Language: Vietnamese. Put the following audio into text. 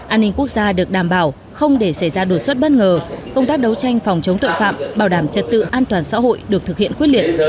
an ninh quốc gia được đảm bảo không để xảy ra đột xuất bất ngờ công tác đấu tranh phòng chống tội phạm bảo đảm trật tự an toàn xã hội được thực hiện quyết liệt